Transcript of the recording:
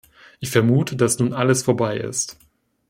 Ich vermute, dass nun alles vorbei ist.